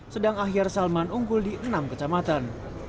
sedang ahyar salman unggul di enam kecamatan